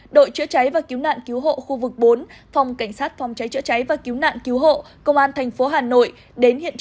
đội chữa cháy và cứu nạn cứu hộ khu vực bốn phòng cảnh sát phòng cháy chữa cháy và cứu nạn cứu hộ công an tp hà nội